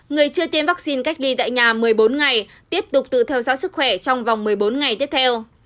người chưa tiêm vaccine cách ly tại nhà một mươi bốn ngày tiếp tục tự theo dõi sức khỏe trong vòng một mươi bốn ngày tiếp theo